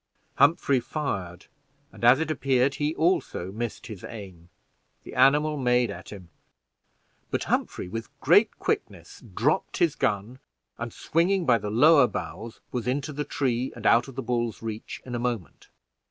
Humphrey fired, and, as it appeared, he also missed his aim; the animal made at him; but Humphrey, with great quickness, dropped his gun, and, swinging by the lower boughs, was into the tree, and out of the bull's reach in a moment.